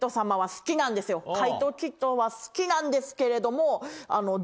怪盗キッドは好きなんですけれども。